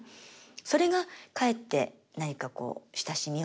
それがかえって何かこう親しみを。